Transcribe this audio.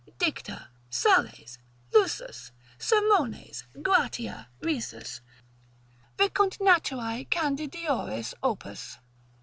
Dicta, sales, lusus, sermones, gratia, risus, Vincunt naturae candidioris opus.